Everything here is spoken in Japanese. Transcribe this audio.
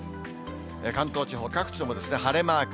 関東地方、各地とも晴れマーク。